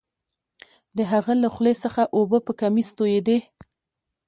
د هغه له خولې څخه اوبه په کمیس تویدې